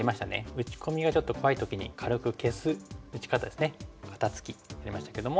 打ち込みがちょっと怖い時に軽く消す打ち方ですね肩ツキやりましたけども。